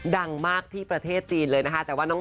ดังมากที่ประเทศจีนเลยนะคะ